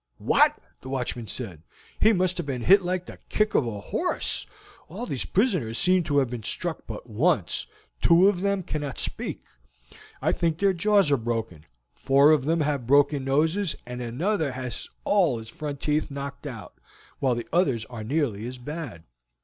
"What!" the watchman said. "He must have been hit like the kick of a horse. All these prisoners seem to have been struck but once; two of them cannot speak. I think their jaws are broken; four of them have broken noses, and another has had all his front teeth knocked out, while the others are nearly as bad."